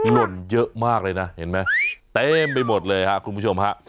หล่นเยอะมากเลยนะเห็นไหมเต็มไปหมดเลยครับคุณผู้ชมฮะ